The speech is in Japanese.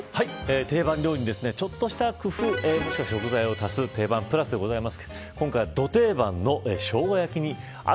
定番料理にちょっとした工夫もしくは食材を足すテイバン＋でございます。